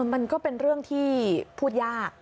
มันก็เป็นเรื่องที่พูดยาก